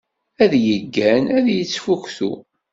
Ad yeggan ad yettfuktu.